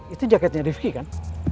itu jaketnya rifqi kan